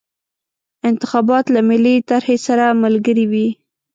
انتخابات له ملي طرحې سره ملګري وي.